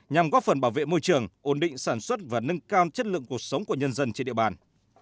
nhằm góp phần bảo vệ môi trường ổn định sản xuất và nâng cao chất lượng cuộc sống của nhân dân trên địa bàn